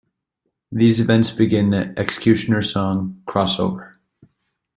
These events begin the "X-Cutioner's Song" crossover.